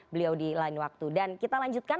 beliau di lain waktu dan kita lanjutkan